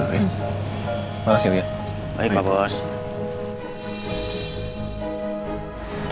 baik pak bos